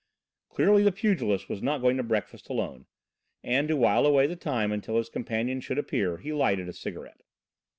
Clearly the pugilist was not going to breakfast alone and, to while away the time until his companion should appear, he lighted a cigarette.